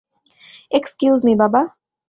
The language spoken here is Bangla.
এক্সকিউজ মি, বাবা।